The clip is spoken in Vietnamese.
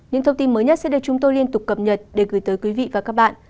những thông tin mới nhất sẽ được chúng tôi liên tục cập nhật để gửi tới quý vị và các bạn